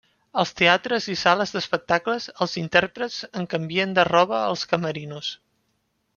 Als teatres i sales d'espectacles, els intèrprets en canvien de roba als camerinos.